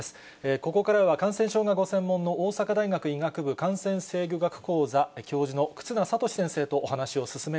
ここからは、感染症がご専門の、大阪大学医学部感染制御学講座教授の忽那賢志先生とお話しを進め